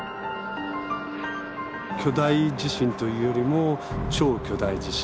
巨大地震というよりも超巨大地震。